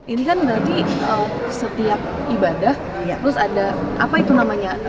ini kan berarti setiap ibadah terus ada apa itu namanya